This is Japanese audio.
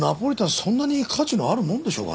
そんなに価値のあるもんでしょうかね？